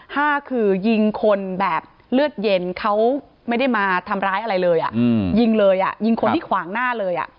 ห้าคือยิงคนแบบเลือดเย็นเขาไม่ได้มาทำร้ายอะไรเลยอ่ะอืมยิงเลยอ่ะยิงคนที่ขวางหน้าเลยอ่ะ